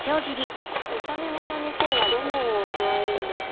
炒めものに今日はレモンを加えるんですね。